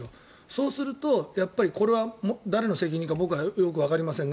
そうするとこれはだれの責任かよくわかりません。